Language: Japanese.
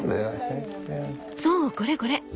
そうこれこれ。